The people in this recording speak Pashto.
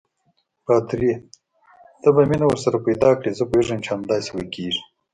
پادري: ته به مینه ورسره پیدا کړې، زه پوهېږم چې همداسې به کېږي.